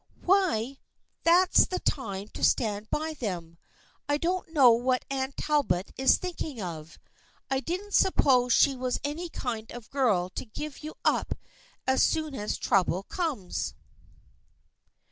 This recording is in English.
Why, that's the time to stand by them. I don't know what Anne Talbot is thinking of. I didn't suppose she was the kind of a girl to give you up as soon as trouble comes."